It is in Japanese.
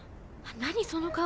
何その顔